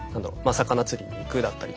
魚釣りに行くだったりとか。